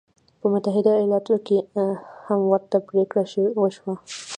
په متحده ایالتونو کې هم ورته پرېکړه وشوه.